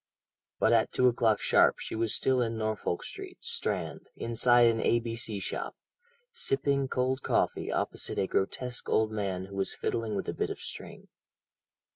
But at two o'clock sharp she was still in Norfolk Street, Strand, inside an A.B.C. shop, sipping cold coffee opposite a grotesque old man who was fiddling with a bit of string.